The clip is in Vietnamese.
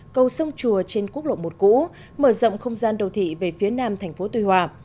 cầu sông chùa trên quốc lộ một cũ mở rộng không gian đô thị về phía nam thành phố tuy hòa